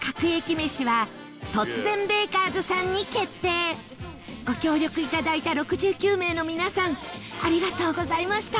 めしはトツゼンベーカーズさんに決定ご協力いただいた６９名の皆さんありがとうございました